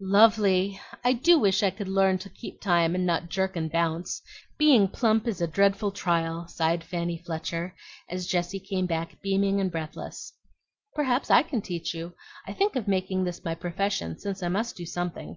"Lovely! I do wish I ever could learn to keep time and not jerk and bounce. Being plump is a dreadful trial," sighed Fanny Fletcher, as Jessie came back beaming and breathless. "Perhaps I can teach you. I think of making this my profession since I must do something.